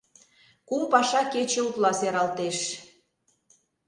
Кум паша кече утла сералтеш...